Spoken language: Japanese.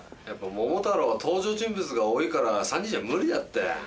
やっぱ「桃太郎」は登場人物が多いから３人じゃ無理だって。